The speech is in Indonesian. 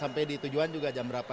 sampai di tujuan juga jam berapa